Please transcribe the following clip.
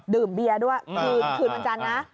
ดื่มเบียร์ด้วยคืนวันจันทร์นะ